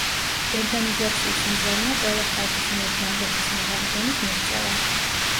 ორგანიზაციის მიზანია ყველა ხალხის მიერ ჯანდაცვის მაღალი დონის მიღწევა.